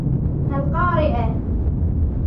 ما القارعة